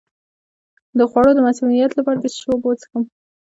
د خوړو د مسمومیت لپاره د څه شي اوبه وڅښم؟